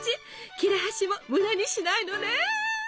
切れ端も無駄にしないのね！